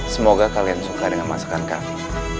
semoga kalian suka dengan masakan kami